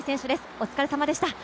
お疲れさまでした。